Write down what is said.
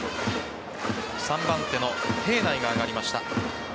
３番手の平内が上がりました。